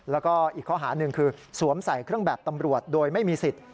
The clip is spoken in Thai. แล้วก็อีกข้อหาหนึ่งคือสวมใส่เครื่องแบบตำรวจโดยไม่มีสิทธิ์